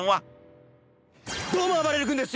どうもあばれる君です。